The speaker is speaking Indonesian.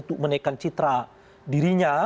untuk menaikkan citra dirinya